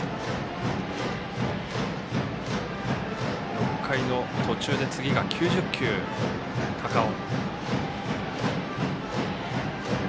６回の途中で次が９０球、高尾。